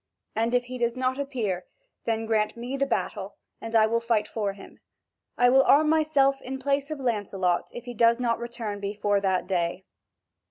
And if he does not appear, then grant me the battle, and I will fight for him: I will arm myself in place of Lancelot, if he does not return before that day."